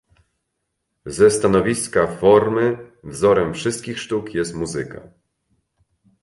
Ze stanowiska formy wzorem wszystkich sztuk jest muzyka.